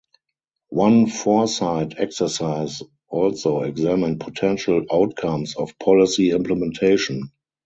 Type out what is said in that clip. One foresight exercise also examined potential outcomes of policy implementation.